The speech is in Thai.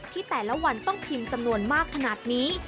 แต่ละวันต้องพิมพ์จำนวนมากขนาดนี้